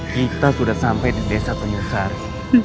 kita sudah sampai di desa tanyusari